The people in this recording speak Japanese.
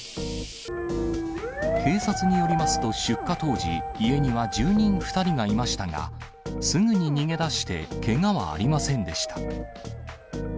警察によりますと、出火当時、家には住人２人がいましたが、すぐに逃げ出して、けがはありませんでした。